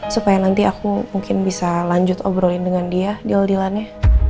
supaya nanti aku mungkin bisa lanjut obrolin dengan dia deal dealannya